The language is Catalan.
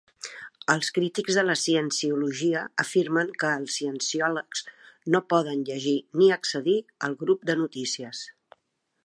Els crítics de la cienciologia afirmen que els cienciòlegs no poden llegir ni accedir al grup de notícies.